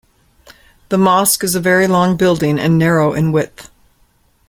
The mosque is a very long building and narrow in width.